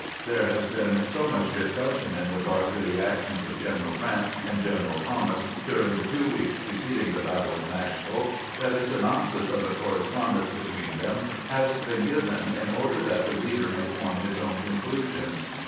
There has been so much discussion in regard to the actions of General Grant and General Thomas during the two weeks preceding the battle of Nashville that a synopsis of the correspondence between them has been given in order that the reader may form his own conclusions.